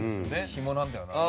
ヒモなんだよな。